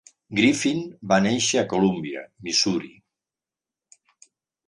Griffin va néixer a Columbia, Missouri.